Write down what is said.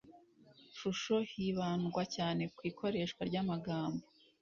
shusho hibandwa cyane ku ikoresha ry’amagambo